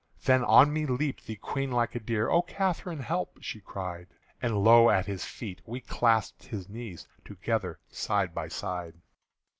Then on me leaped the Queen like a deer: "O Catherine, help!" she cried. And low at his feet we clasped his knees Together side by side.